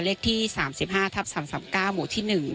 เลขที่๓๕ทับ๓๓๙หมู่ที่๑